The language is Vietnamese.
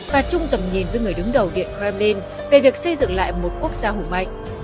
và chung tầm nhìn với người đứng đầu điện kremlin về việc xây dựng lại một quốc gia hùng mạnh